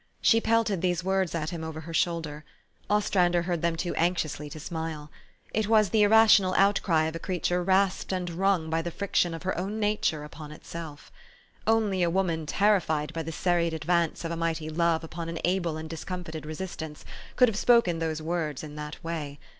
She pelted these words at him over her shoulder. Ostrander heard them too anxiously to smile. It was the irrational outcry of a creature rasped and wrung by the friction of her own nature upon itself. Only a woman terrified by the serried advance of a mighty love upon an able and discomfited resistance, could have spoken those words in that way.